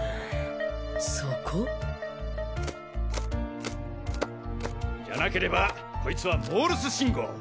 そこ？じゃなければこいつはモールス信号！